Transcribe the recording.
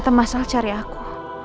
ternyata mas al cari aku